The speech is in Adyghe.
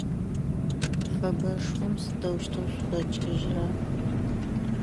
Фэбэшхом сыдэущтэу шъухэкIыжьрэ?